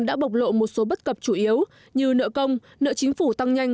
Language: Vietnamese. đã bộc lộ một số bất cập chủ yếu như nợ công nợ chính phủ tăng nhanh